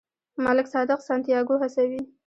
ملک صادق سانتیاګو هڅوي.